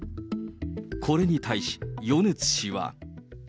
これに対し、米津氏は。